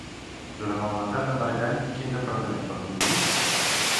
Durant el mandat de Maragall, quin departament va conduir?